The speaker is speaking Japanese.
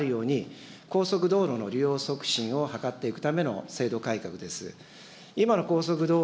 １つはここにあるように、高速道路の利用促進を図っていくための制度改革です。